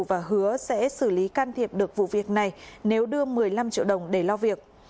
và hứa sẽ xử lý can thiệp được vụ việc này nếu đưa một mươi năm triệu đồng để lo việc